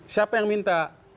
siapa yang minta